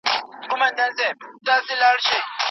څه شی د لیکلو پر مهال زموږ ذهن پاکوي؟